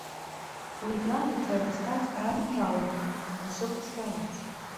У ідэале трэба стаць раннім жаўранкам, каб усё паспяваць.